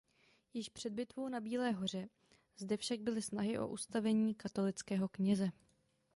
Již před bitvou na Bílé hoře zde však byly snahy o ustavení katolického kněze.